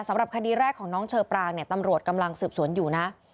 สำหรับคดีแรกของน้องเชอปรางเนี่ยตำรวจกำลังสืบสวนอยู่นะ